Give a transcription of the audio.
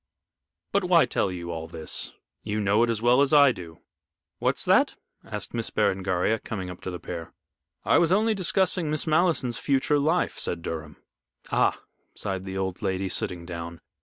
But why tell you all this you know it as well as I do." "What's that?" asked Miss Berengaria, coming up to the pair. "I was only discussing Miss Malleson's future life," said Durham. "Ah," sighed the old lady, sitting down.